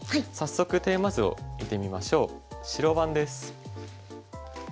早速テーマ図を見てみましょう白番です。